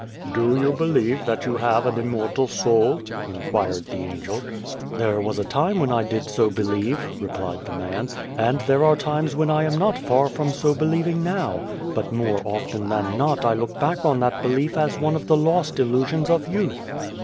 " Do you believe that you have an immortal soul ?" inquired the Angel. "There was a time when I did so believe," replied the man, "and there are times when I am not far from so believing now, but more 124 Beyond the Door often than not I look back on that belief as one of the lost illusions of youth."